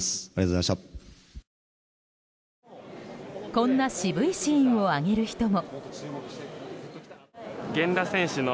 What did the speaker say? こんな渋いシーンを挙げる人も。